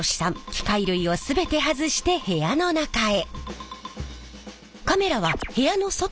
機械類を全て外して部屋の中へ。